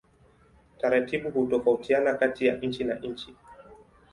Taratibu hutofautiana kati ya nchi na nchi.